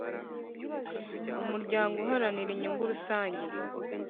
Umuryango uharanira inyungu rusange